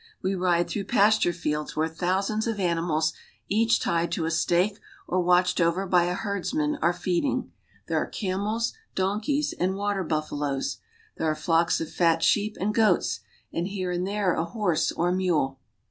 We ride through pasture fields where thousands of animals, each tied to a stake or J watched over by a herdsman, are feeding. There are I camels, donkeys, and'J water buffaloes ; there 1 are flocks of fat sheep 1 and goats, and here I and there a horse or | mule.